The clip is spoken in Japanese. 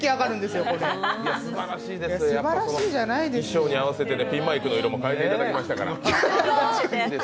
すばらしいです、衣装に合わせてピンマイクの色も変えていただきましたから。